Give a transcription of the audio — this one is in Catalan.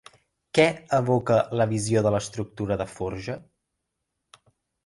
Què evoca la visió de l'estructura de forja?